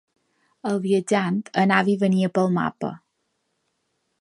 El viatjant anava i venia pel mapa